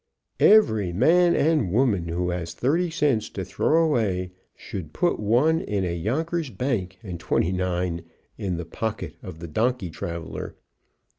_EVERY MAN AND WOMAN who has Thirty cents to throw away, should put one in a Yonkers Bank and Twenty nine in the pocket of the donkey traveler.